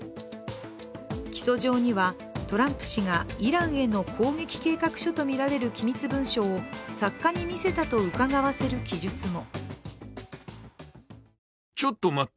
起訴状にはトランプ氏がイランへの攻撃計画書と見られる機密文書を作家に見せたとうかがわせる記述も。